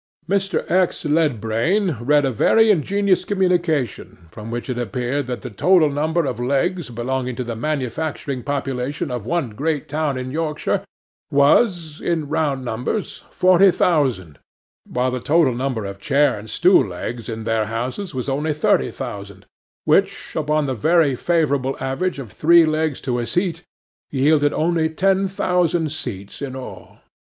'MR. X. LEDBRAIN read a very ingenious communication, from which it appeared that the total number of legs belonging to the manufacturing population of one great town in Yorkshire was, in round numbers, forty thousand, while the total number of chair and stool legs in their houses was only thirty thousand, which, upon the very favourable average of three legs to a seat, yielded only ten thousand seats in all.